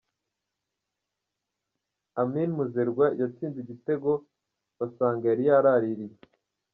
Amin Muzerwa yatsinze igitego basanga yari yaraririye .